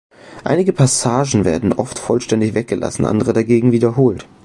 Einige Passagen werden oft vollständig weggelassen, andere dagegen wiederholt.